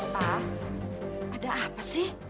pak ada apa sih